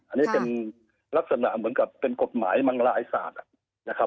อันนี้เป็นลักษณะเหมือนกับเป็นกฎหมายมังลายศาสตร์นะครับ